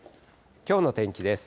きょうの天気です。